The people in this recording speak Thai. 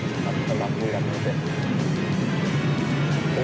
สำหรับเวลาเมื่อเกิด